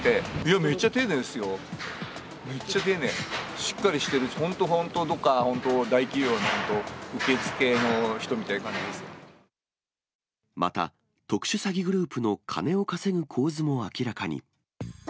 めっちゃ丁寧、しっかりしてるし、本当、本当、どっか、本当、大企業の本当、また特殊詐欺グループの金を稼ぐ構図も明らかに。